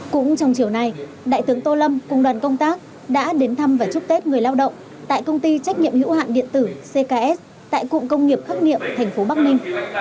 cũng trong chiều nay đại tướng tô lâm cùng đoàn công tác đã đến thăm và chúc tết người lao động tại công ty trách nhiệm hữu hạn điện tử cks tại cụng công nghiệp khắc niệm thành phố bắc ninh